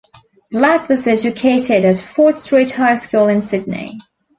Black was educated at Fort Street High School in Sydney.